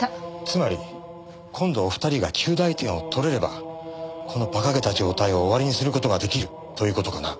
つまり今度お二人が及第点を取れればこの馬鹿げた状態を終わりにする事が出来るという事かな？